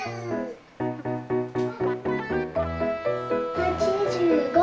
８５。